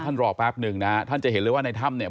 รอแป๊บหนึ่งนะฮะท่านจะเห็นเลยว่าในถ้ำเนี่ย